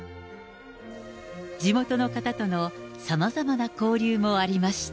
地元の方とのさまざまな交流もありました。